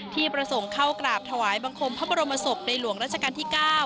ประสงค์เข้ากราบถวายบังคมพระบรมศพในหลวงราชการที่๙